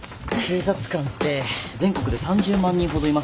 警察官って全国で３０万人ほどいますよね。